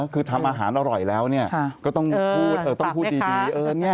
คือทำอาหารอร่อยแล้วก็ต้องพูดต้องพูดดี